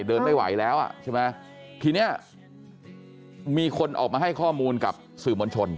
เดินไม่ไหวแล้วทีนี้มีคนออกมาให้ข้อมูลกับสื่อมณชน